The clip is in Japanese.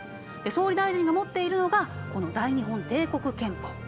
総理大臣が持っているのがこの大日本帝国憲法。